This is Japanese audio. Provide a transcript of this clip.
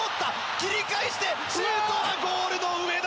切り返してシュートはゴールの上だ！